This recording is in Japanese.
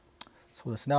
そうですね。